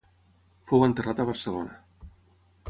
Fou enterrat a Barcelona.